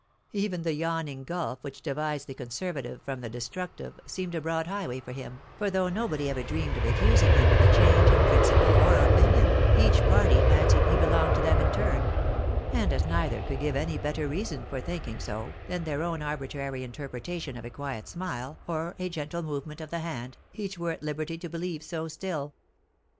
Even the yawning gulf which divides the conservative from the destructive, seemed a broad highway for him, for though nobody ever dreamed of accusing him of a change in principle or opinion, each party fancied he belonged to them in turn ; and as neither could give any better reason for thinking so, than their own arbitrary interpretation of a quiet smile, or a gentle movement of the hand, each were at liberty to believe so still.